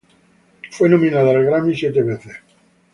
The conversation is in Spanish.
Fue siete veces nominada al Grammy.